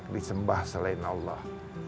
berhak disembah selain allah